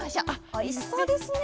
おいしそうですね！